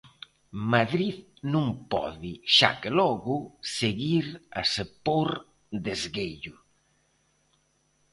Madrid non pode, xa que logo, seguir a se pór de esguello.